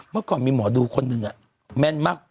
เมื่อก่อนมีหมอดูคนหนึ่งแม่นมาก